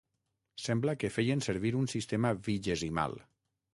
Sembla que feien servir un sistema vigesimal.